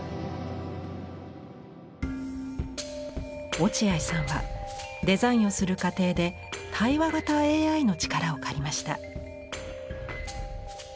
落合さんはデザインをする過程で対話型ＡＩの力を借りました。